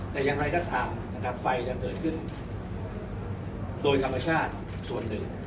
แต่อย่างไรก็ตามไฟจะเกิดขึ้นโดยชาติส่วนหนึ่ง